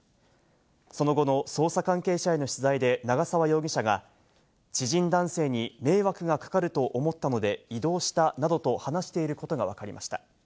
その後の捜査関係者への取材で、長沢容疑者が知人男性に迷惑がかかると思ったので移動したなどと話していることがわかりました。